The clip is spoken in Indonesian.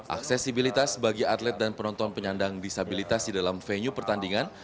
aksesibilitas bagi atlet dan penonton penyandang disabilitas di dalam venue pertandingan